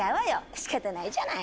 しかたないじゃない。